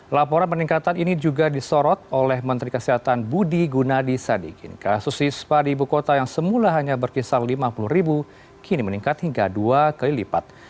laporan peningkatan ini juga disorot oleh menteri kesehatan budi gunadi sadikin kasus ispa di ibu kota yang semula hanya berkisar lima puluh ribu kini meningkat hingga dua kali lipat